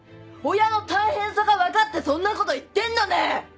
親の大変さが分かってそんなこと言ってんの？ねぇ！